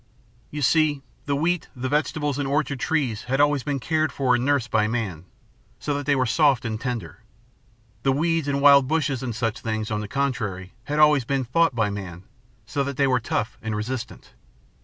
You see, the wheat, the vegetables, and orchard trees had always been cared for and nursed by man, so that they were soft and tender. The weeds and wild bushes and such things, on the contrary, had always been fought by man, so that they were tough and resistant.